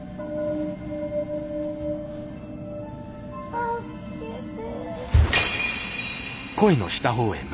・助けて。